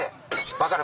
分かる？